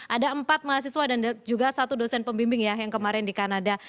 ada empat mahasiswa dan juga satu dosen pembimbing ya yang kemarin di kanada